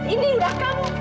ini udah kamu